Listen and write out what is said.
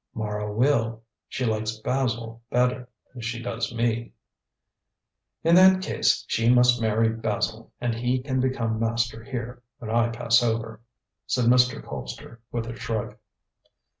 "Mara will. She likes Basil better than she does me." "In that case, she must marry Basil, and he can become master here, when I pass over," said Mr. Colpster, with a shrug.